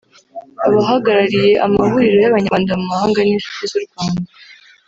abahagarariye amahuriro y’Abanyarwanda mu mahanga n’inshuti z’u Rwanda